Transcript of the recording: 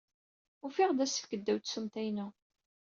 Ufiɣ-d asefk ddaw tsumta-inu.